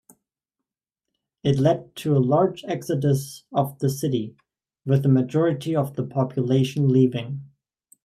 It led to a large exodus of the city, with a majority of the population leaving.